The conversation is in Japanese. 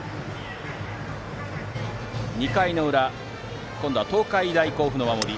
２回の裏東海大甲府の守り。